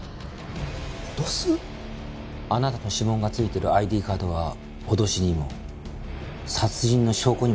あなたの指紋がついてるＩＤカードは脅しにも殺人の証拠にもなりますよ。